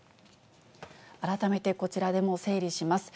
改めてこちらでも整理します。